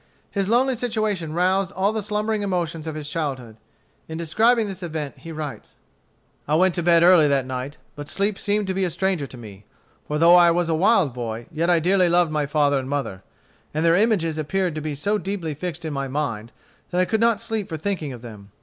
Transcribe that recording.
His lonely situation roused all the slumbering emotions of his childhood. In describing this event, he writes: "I went to bed early that night, but sleep seemed to be a stranger to me. For though I was a wild boy, yet I dearly loved my father and mother; and their images appeared to be so deeply fixed in my mind that I could not sleep for thinking of them.